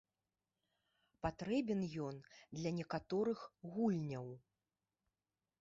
Патрэбен ён для некаторых гульняў.